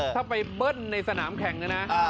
ถ้าไปเบิ้ลในสนามแข่งนะนะ